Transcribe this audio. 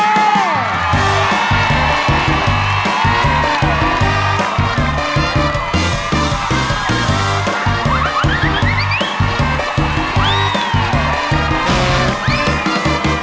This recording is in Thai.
สวัสดีครับ